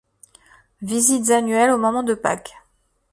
Visites annuelles au moment de Pâques.